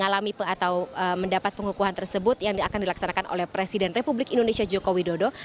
atau mendapat pengukuhan tersebut yang akan dilaksanakan oleh presiden republik indonesia joko widodo